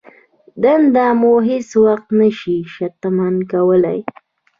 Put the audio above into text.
دنده مو هېڅ وخت نه شي شتمن کولای.